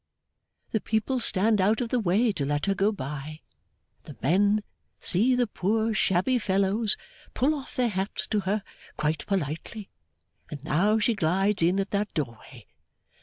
The people stand out of the way to let her go by. The men see the poor, shabby fellows pull off their hats to her quite politely, and now she glides in at that doorway.